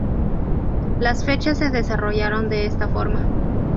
Las fechas se desarrollaron de esta forma.